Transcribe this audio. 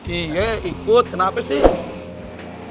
iye ikut kenapa sih